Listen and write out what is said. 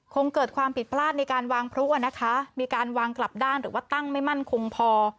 คงเกิดความผิดพลาดในการวางพลุอ่ะนะคะมีการวางกลับด้านหรือว่าตั้งไม่มั่นคงพอ